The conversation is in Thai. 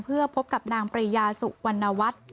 เพื่อพบกับนางปริยาสุวรรณวัฒน์